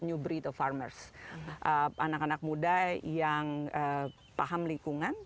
new breed of farmers anak anak muda yang paham lingkungan